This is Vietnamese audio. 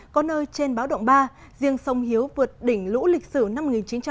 có nơi trên báo động ba riêng sông hiếu vượt đỉnh lũ lịch sử năm một nghìn chín trăm bảy mươi